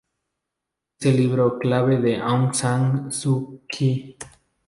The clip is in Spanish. Es el libro clave de Aung San Suu Kyi.